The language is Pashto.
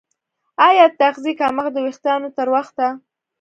ایا د تغذیې کمښت د ویښتانو تر وخته